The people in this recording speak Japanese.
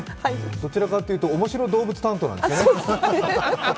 どちらかというと面白動物担当なんですよね。